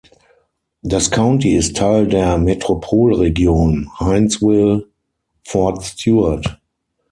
Das County ist Teil der Metropolregion Hinesville–Fort Stewart.